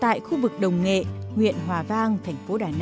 tại khu vực đồng nghệ huyện hòa vang thành phố đà nẵng